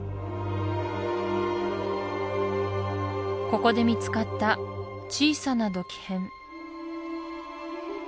ここで見つかった小さな土器片